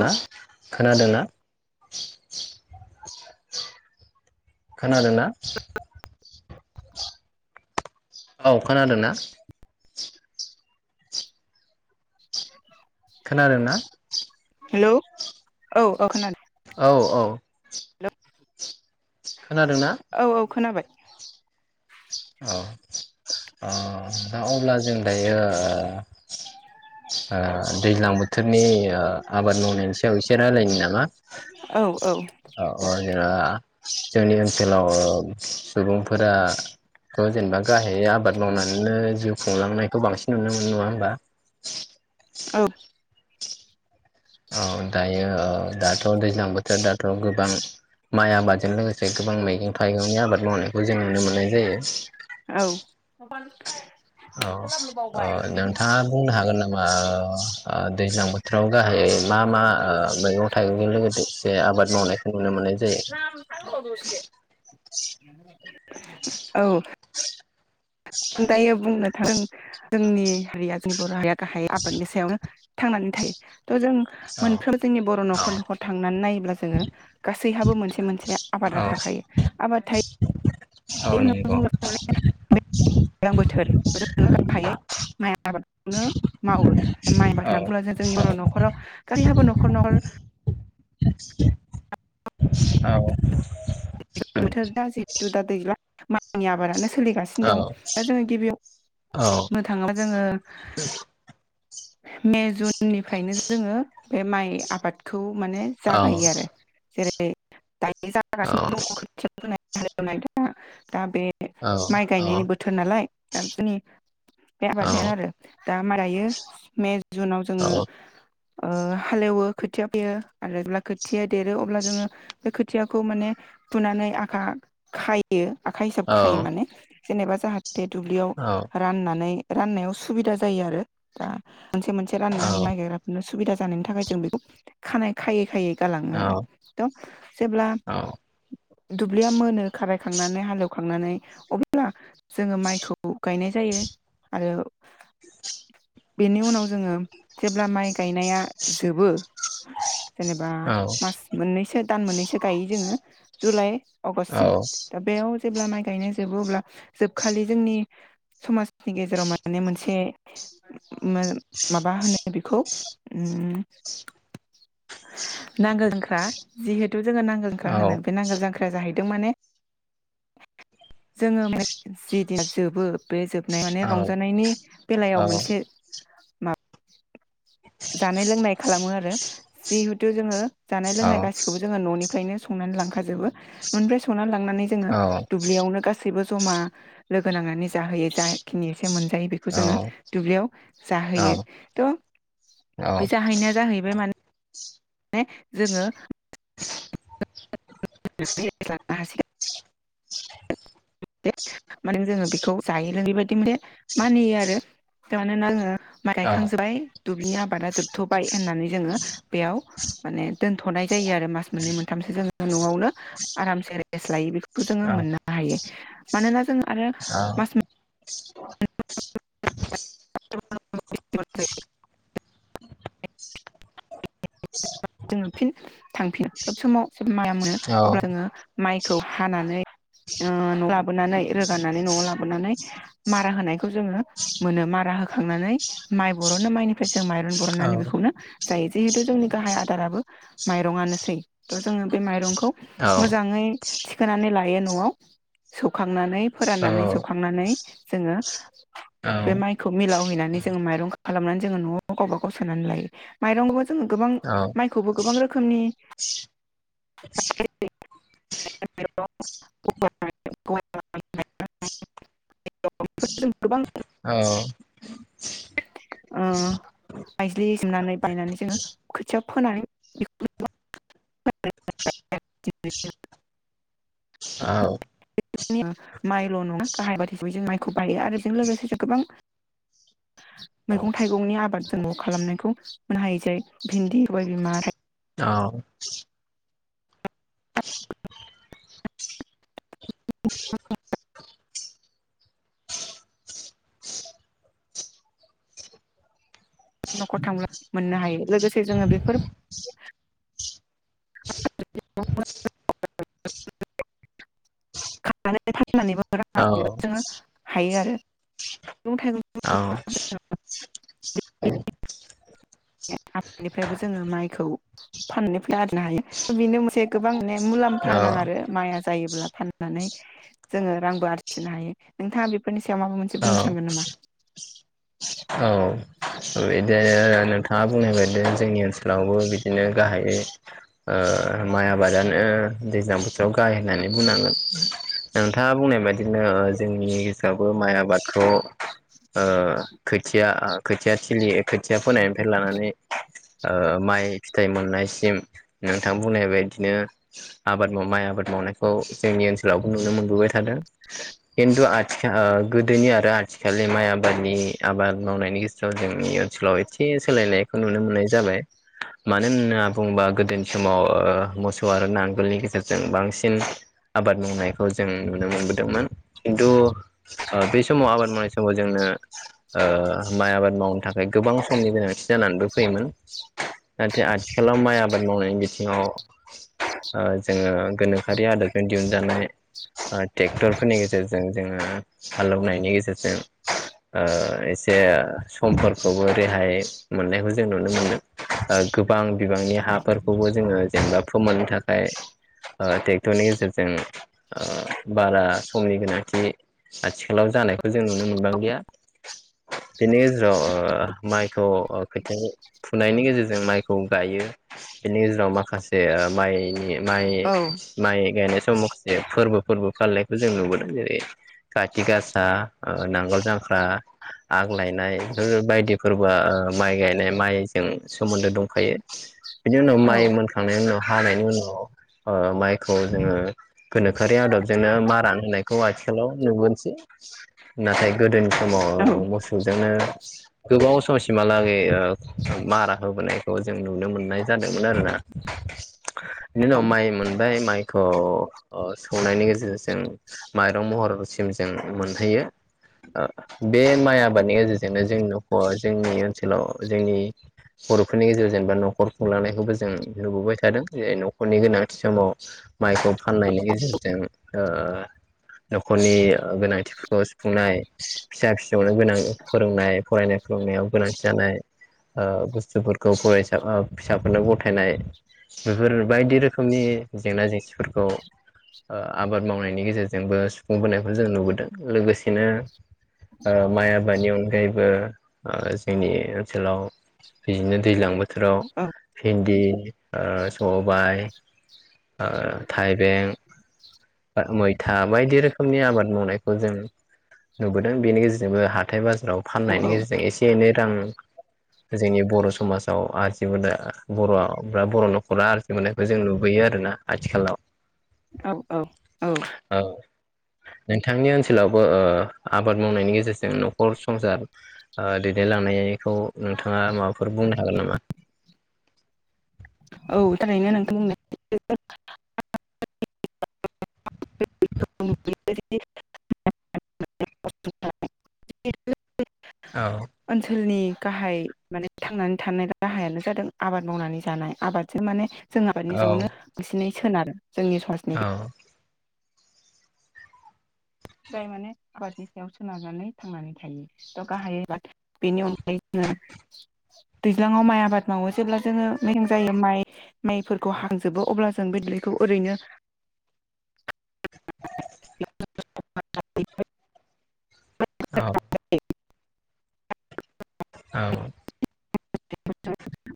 ना खोनादोंना? [inaudible] खोनादोंना? [inaudible] औ खोनादोंना? खोनादों ना हेलौ य? औ औ [inaudible] न [unintelligible] खोनादों ना? अ अ अब्ला जों दायो, ओ दैज्लां बोथोर नि ओ आबाद मावनायनिसायाव एस एसे रायलायनि नामा? औ औ अ दे। जेनेबा जोंनि ओनसोलाव सुबुं फोरा जेनेबा गाहाय आबाद मावनानैनो जिउ खुंलांनायखौ बांसिन नुनो मोनो नङा होमबा। औ। औ दायो औ दाथ' दैज्लां बोथोराव दाथ' गोबां माइ आबादजों लोगोसे गोबां मैगं थाइगंनि आबाद मावनो खौ जों नुनो मोननाय जायो। औ। औ खालामनो ओ बावबाय नोंथाङा बुंनो हागोन ओ नामा दैज्लां बोथोराव गाहायै मा मा ओ मैगं थाइगंजों लोगोसे ज आबाद मावनायखौ नुनो मोननाय जायो? औ दायो बुंनो जों जोंनि हारिया जोंनि बर' हारिया गाहाय आबादनि सायावनो थांनानै थायो। ओ जों औ मोनफ्रोम जोंनि बर' न'खर न'खर थांनानै नायोब्ला जोङो गासैहाबो मोनसे मोनसे औ आबादा थाखायो। आबाद थायो औ नंगौ [unintelligible] माइ आबाद बेखौनो मावो। औ [unintelligible] औ बोथोरा जिहेतु दा दैज्लां माइनि आबादानो सोलिगासिनो औ दं दा जोङो गिबियाव औ बुंनो थाङोबा जोङो मे जुन उननिफ्रायनो जोङो बे माइ आबादखौ माने जागायो आरो जेरै औ द [unintelligible] दङ खोथिया फोनाय हाल एवनाय दा बे माइ औ औ गायनायनि बोथोर नालाय दा जोंनि बे औ आबादायानो आरो। दा मारायो मे जुनाव जोङो ओ हालेवो खोथिया फोयो आरो जेब्ला खोथि या देरो अब्ला जोङो बे खोथियाखौ माने फुनानै आखा खायो आखाइ हिसाब खायो माने जेनेबा जाहा ते दुब्लियाव राननानै राननायाव सुबिदा जायो आरो दा मोनसे मोनसे रानना हैनो [unintelligible] सुबिदा जानायनि थाखाय जों बेखौ खानाय खायै खायै गालाङो आरो थ' जेब्ला दुब्लिया मोनो खारायखांनानै हालेवखांनानै अब्ला जोङो माइखौ गायनाय जायो आरो बेनि उनाव जोङो जेब्ला माइ गायनाया जोबो जेनेबा मास मोननैसो दान मोननैसो गायो जोङो। जुलाय आगषटसिम दा बेयाव जेब्ला माइ गायनायजोबो अब्ला जोबखालि जोंनि समाजनि गेजेराव माने मोनसे मोन माबा होनो बेखौ उम नांगोल जांख्रा जिहेत खौ जोङो नांगोल जांख्रा होनो। नांगोल जांख्राया जाहै हायदों माने जोङो जिदिन जोबो बे जोबनाय माने रंजानायनि बेलायाव मोनसे मा जानाय लोंनाय खालामो आरो जिहे थु जोङो जानाय लोंनाय गासिखौबो जोङो न'नि फ्रायनो संनानै लांखा खाजोबो न'निफ्राय संना लां नानै जोङो दुब्लियाव नो गासैबो जमा लोगो नांनानै जाहोयो जाखिनि एसे मोनजायो बेखौ जोङो दुब्लियाव जाहोयो थ' बे जाहैनाया जाहैबाय माने [inaudible] ने जोङो [unintelligible] माने जोङो बेखौ जायो लोङै बेबायदि मोने मानियो आरो मानोना जोङो माइ गायखांजोबबाय दुब्लिनि आबादा जोबथ'बाय होननानै जोङो बेयाव माने दोनथ'नाय जायो आरो मास मोननै मोनथामसो जोङो न'आवनो आरामसे रेस्ट लायो बेखौ खौ जोङो मोननो हायो। मानोना जोङो आरो मास [inaudible] [unintelligible] [inaudible] जोङो फिन थांफिन [unintelligible] समाव माइआ मोनो अब्ला जोङो माइखौ हानानै ओ न'आव लाबोनानै रोगानानै न'आव लाबोनानै मारा होनायखौ जोङो मोनो मारा होखांनानै माइ बर'नो माइनिफ्राय माइरं औ बरननानै बेखौनो जायो जिहेतु जोंनि गाहाय दाराबो माइरंआनोसै थ' जोङो बे माइरंखौ औ मोजाङै थिखोनानै ला न'आव सौखांनानै फोराननानै सौखांनानै जोङो बे माइखौ मिलावहैनानै जोंङो माइरं खालामनानै जोङो न'आव गावबा गाव सोनानै लायो माइरंखौबो जोङो गोबां खौबो गोबां रोखोमनि [unintelligible] [unintelligible] गोबां मायज्लि सोमनानै बायनानै जोङो खोथिया फोनानै [unintelligible] औ [unintelligible] माइल' नङा गाहाय आबाद हिसाबै माइखौ खौ बायो आरो बेजों लोगोसे गोबां मैगं थाइगंनि आबाद जों खालामनायखौ मोननो हायो जेरै भिन्दि गय सबायबिमा औ न'खर थांब्ला मोननो हायो लोगोसे जोङो बेफोर [inaudible] [unintelligible] [unintelligible] फनानैबो रां आरजिसनोबो जोङो हायो आरो मैगं थाइगं आनिफ्रायबो जोङो माइखौ फाननानै फैसा आरजिनो हायो बेनो मोनसे गोबां मुलाम्फा नां आरो माइया जायोब्ला फाननो जोङो रांबो आरजिनो हायो नोंथाङा बेफोरनि सायाव माबा मोनसे बुंनो सानगोन नामा औ बिदिनो नोंथाङा बुंनाय बायदि जोंनि ओनसोल ओनसोलावबो बिदिनो गाहायै माइ आबादानो दैज्लां बोथोराव गाहाय होननानै बुंनांगोन नोंथाङा बुंनाय बायदि बिदिनो जोंनि आवबो माइ आबाद थ' खोथिया ओ खोथिया थिलि खोथिया फोनायनायनिफ्राय लानानै ओ माइ फिथाइ मोननायसिम नोंथां बुंनाय बायदिनो आबाद माइ आबाद मावनायखौ जोंनि ओनसोलावबो नुनो मोनबोबाय थादों। खिन्थु आथिखाल गोदोनि आरो आथिखालनि माइ आबादनि आबाद मावनायनि गेजेराव जोंनि ओनसोलाव एसे सोलायनायखौ नुनो मोननाय जाबाय मानो होनना बुङोबा गोदोनि समाव मोसौ आरो नांगोलनि गेजेरजों बांसिन आबाद मावनायखौ जों नुनो मोनबोदोंमोन खिन्थु बे समाव आबाद मावनाय समाव जोंनो ओ माइ आबाद मावनो थाखाय गोबां समनि गोनांथि जानानैबो फैयोमोन नाथाय आथिखालाव माइ आबाद मावनायनि बिथिङाव जोङो गोनोखोआरि आदबजों दिहुनजानाय ट्रेक्टरफोरनि गेजेरजों जोङो हालेवनायनि गेजेरजों ओ एसे समफोरखौबो रेहाय मोननायखौ जों नुनो मोनदों ओ गोबां बिबांनि हाफोरखौबो जोङो जेनेबा फोमोननो थाखाय टेक्टरनि गेजेरजों ओ बारा समनि गोनांथि आथिखालाव जानायखौ जों नुनो मोनबां लिया बेनि गेजेराव माइखौ खोथिया फुनायनि गेजेरजों माइ खौ गायो बेनि गेजेराव माखासे माइनि औ माइ-माइ गायनाय समाव [unintelligible] फोरबो फोरबो फालिनायखौ जों नुबोदों जेरै कथि गासा, नांगोल जांख्रा आग लायनाय बेफोर बायदिफोरबो ओ माइ गायनाय माइजों सोमोन्दो दंफायो। बिनि उनाव औ माइ मोनखांनायनि उनाव हानायनि उनाव ओ माइखौ जोङो गोनोखोआरि आदबजोंनो मारान होनायखौ आथिखालाव नुगोनसै नाथाय गोदोनि औ समाव मोसौजोंनो गोबाव समसिमहालागै ओ मारा होबोनायखौ जों नुनो मोननाय जादोंमोन आरोना। बेनि उनखव माय मोन बे माइखौ ओ सौनायनि गेजेरजोंजों माइरं महरसिम जों मोनहैयो बे माइ आबादनि गेजेरजोंनो जों नख'रआ जोंनि ओनसोलाव जोंनि बर'फोरनि गेजेरजोंबा न'खर खुंलांनायखौबो जों नुबोबाय थादों जे न'खरनि गोनांथि समाव माइखौ फाननायनि गेजेरजों ओ न'खरनि गोनांथिफोरखौ सुफुंनाय फि-फिसा फि गोनां फोरोंनाय फरायनाय खुनायाव गोनांथि जानाय ओ बुस्थुफोरखौ फरायसा ओ फिसाफोरनो गथायनाय बेफोर बायदि रोखोमनि जेंना जेंसिफोरखौ आबाद मावनायनि गेजेरजोंबो सुफुंबोनायखौ जों नुबोदों लोगोसेनो ओ माय आ बाद अनगायैबो ओ जोंनि ओनसोलाव बिदिनो दैलां बोथ बोथोराव औ फिन्दी ओ स'बाय थाइबें थाबाय बेबायदि रोखोमनि आबाद मावनायखौ जों नुबोदों। बेनि गेजेरजोंबो हाथाय बाजा जेराव फान्नायनि गेजेरजों एसे एनै रां जोंनि बर' समाजाव आरजिबो बर' बा बर' न'खरा आरजिबोनायखौ जों नुबोयो आरोना आथिखालाव। औ औ औ नोंथांनि ओनसोलावबो ओ आब बाद मावनायनि गेजेरजों न'खर संसार दैदेनलांनाय बेखौ नोंथाङा माबाफोर बुंनो हागोन नामा? औ थारैनो नोंथां [unintelligible] [unintelligible] औ ओनसोलनि गाहाय माने थांनानै थानाय राहायानो जादों आबाद मावनानै जानाय आबादजों माने जों आबादनि औ सायावनो बिसिनि सोनारो जोंनि समाजनि औ जाय माने आबादनि सायाव सोनारनानै थांनानै थायो थ' गाहाय बेनि अनगायै जोङो दैज्लाङाव माइ आबाद मावो जेब्ला जोङो मेसें जायो माइ माइफोरखौ हांजोबो अब्ला जों बे दैैखौ ओरैनो [unintelligible] औ औ [unintelligible]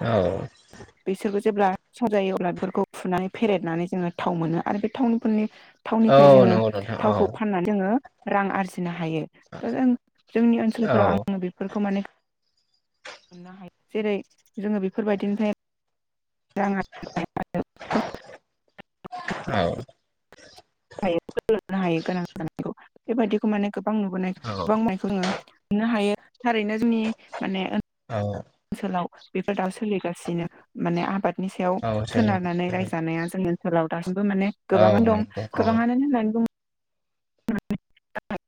औ जेब्लााव जायो अब्ला बेफोरखौ फुनानै फेरेदनानै जोङो थाव मोनो आरो बे थावनिफोरनि औ थावनिफ्राय जोङो नंगौ नोंथां औ थावखौ फाननानै जोङो रां आरजिना हायो थ' जोंनि औ ओनसोलफोराव आङो बेफोरखौ माने हमनो हायो जेरै जोङो बेफोरबायदिनो [unintelligible] औ [unintelligible] [unintelligible] नो हायो गोनां जानायखौ बेबायदिखौ माने गोबां नुबोनाय औ गोबां मोननो हायो थारैनो जोंनि माने औ ओनसोलाव बेफोर दा सोलिगासिनो माने आबाद नि सायाव औ सोलियो सोनारनानै रायजोनाया जोङो सोलाव दास बो माने औ गोबां दं नंगौ औ गोबाङ होननानै [unintelligible]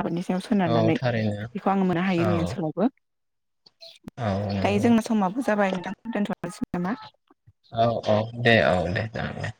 आबादनि सायाव औ सोनारनानै थारैनो बेखौ आङो मोननो हायो जोंनि औ ओनसोलावबो। औ दायो नंगौ जोंनो समाबो जाबाय नोंथांखौ दोनथ' [unintelligible] औ औ दे औ दे जागोन दे